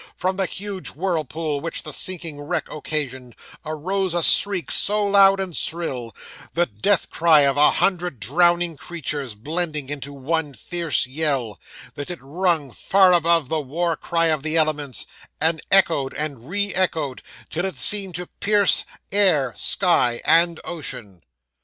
From the huge whirlpool which the sinking wreck occasioned, arose a shriek so loud and shrill the death cry of a hundred drowning creatures, blended into one fierce yell that it rung far above the war cry of the elements, and echoed, and re echoed till it seemed to pierce air, sky, and ocean.